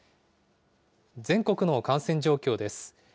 全国の感染状況です。